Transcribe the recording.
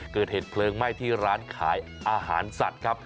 เกิดเหตุเพลิงไหม้ที่ร้านขายอาหารสัตว์ครับ